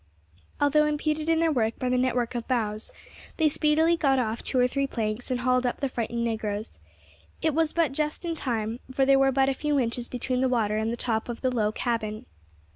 Although impeded in their work by the network of boughs, they speedily got off two or three planks and hauled up the frightened negroes. It was but just in time, for there were but a few inches between the water and the top of the low cabin.